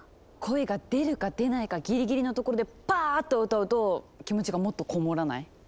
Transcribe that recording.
声が出るか出ないかギリギリのところでパーッ！と歌うと気持ちがもっとこもらない？